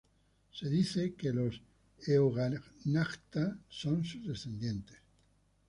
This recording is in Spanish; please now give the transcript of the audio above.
Se dice que los Eóganachta son sus descendientes.